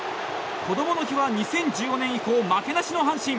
こどもの日は２０１５年以降負けなしの阪神。